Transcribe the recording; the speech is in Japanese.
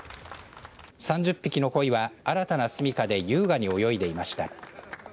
３０匹の、こいは新たな住みかで優雅に泳いでいました。